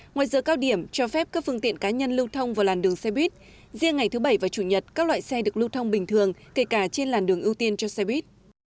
ngoài giờ cao điểm cho phép các phương tiện cá nhân lưu thông vào làn đường xe buýt riêng ngày thứ bảy và chủ nhật các loại xe được lưu thông bình thường kể cả trên làn đường ưu tiên cho xe buýt